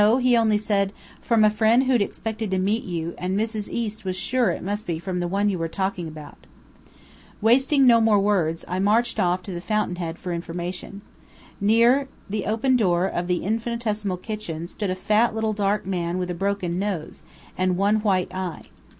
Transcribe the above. He only said, from a friend who'd expected to meet you; and Mrs. East was sure it must be from the one you were talking about." Wasting no more words, I marched off to the fountainhead for information. Near the open door of the infinitesimal kitchen stood a fat little dark man with a broken nose, and one white eye.